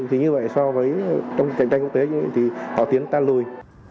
thì như vậy so với trong cạnh tranh quốc tế thì họ tiến ta lùi